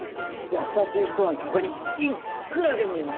優しい人なんて他にいっくらでもいます！